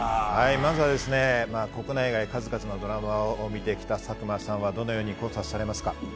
まずはですね国内外、数々のドラマを見てきた佐久間さんはどのように考察されますか？